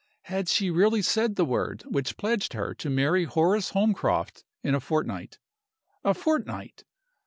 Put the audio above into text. Had she really said the word which pledged her to marry Horace Holmcroft in a fortnight? A fortnight!